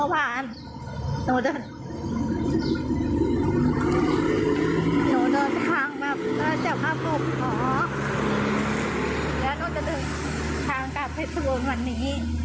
แล้วหนูจะเดินทางกลับเพชรโบนวันนี้